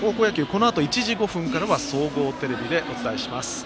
このあと１時５分からは総合テレビでお伝えします。